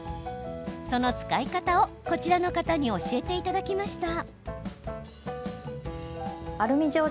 その使い方を、こちらの方に教えていただきました。